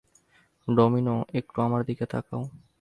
Domino, একটু আমার দিকে তাকাও।